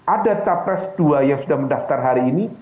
ada capres dua yang sudah mendaftar hari ini